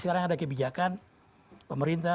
sekarang ada kebijakan pemerintah